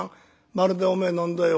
まるでおめえ何だよ